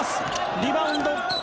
リバウンド。